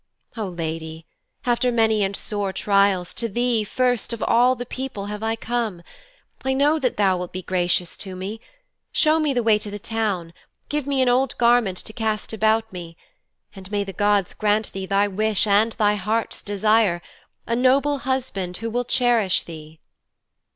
O lady, after many and sore trials, to thee, first of all the people, have I come. I know that thou wilt be gracious to me. Show me the way to the town. Give me an old garment to cast about me. And may the gods grant thee thy wish and heart's desire a noble husband who will cherish thee.'